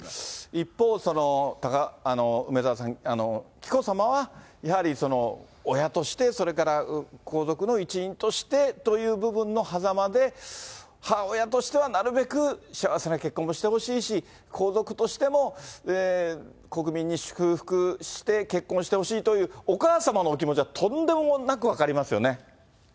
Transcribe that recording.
一方、梅沢さん、紀子さまはやはり、親として、それから皇族の一員としてという部分のはざまで、母親としては、なるべく幸せな結婚もしてほしいし、皇族としても国民に祝福して、結婚してほしいというお母さまのお気持ちは、とんでもなく分かりますよね。